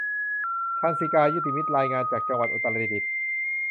ทรรศิกา ยุติมิตร รายงานจากจังหวัดอุตรดิตถ์